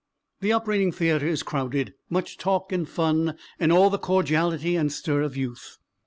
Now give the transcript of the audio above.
The operating theatre is crowded; much talk and fun, and all the cordiality and stir of youth.